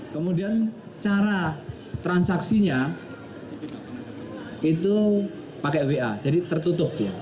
kemudian cara transaksinya itu pakai wa jadi tertutup ya